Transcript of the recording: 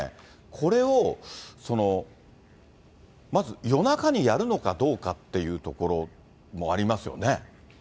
これを、まず夜中にやるのかどうかっていうところもありますよね。